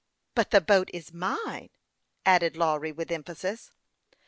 " But the boat is mine," added Lawry, with em phasis.